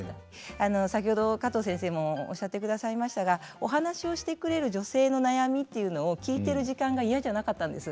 あの先ほど加藤先生もおっしゃってくださいましたがお話をしてくれる女性の悩みっていうのを聞いてる時間が嫌じゃなかったんです。